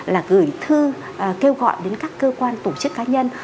là gửi thư kêu gọi đến các cơ quan tổ chức cá nhân